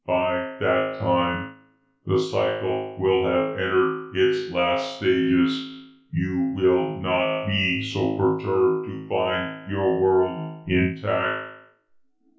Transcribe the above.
By that time the cycle will have entered its last stages. You will not be so perturbed to find your world intact.